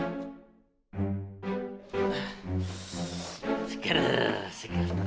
sekarang sekarang sebentar